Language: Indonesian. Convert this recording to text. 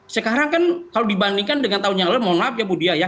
sekarang kan kalau dibandingkan dengan tahun yang lalu mohon maaf ya bu dia ya